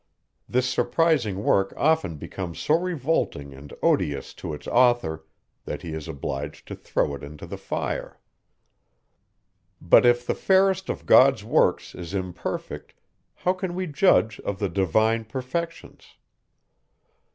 This surprising work often becomes so revolting and odious to its author, that he is obliged to throw it into the fire. But, if the fairest of God's works is imperfect, how can we judge of the divine perfections?